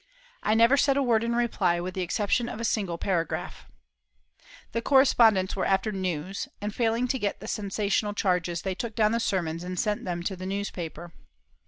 I never said a word in reply, with the exception of a single paragraph. The correspondents were after news, and, failing to get the sensational charges, they took down the sermons and sent them to the newspaper.